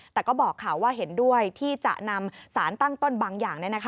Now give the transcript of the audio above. แต่ก็บอกค่ะว่าเห็นด้วยที่จะนำสารตั้งต้นบางอย่าง